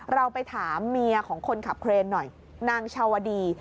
เราไปถามเมียของคนขับเครนหน่อยนางชาวดี